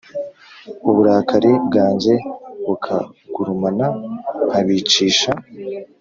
uburakari bwanjye bukagurumana nkabicisha